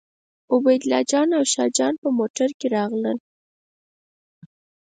عبیدالله جان او شاه جان په موټر کې راغلل.